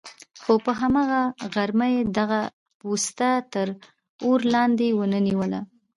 خو په هماغه غرمه یې دغه پوسته تر اور لاندې ونه نیوله.